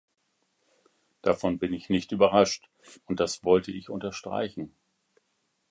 Davon bin ich nicht überrascht, und das wollte ich unterstreichen.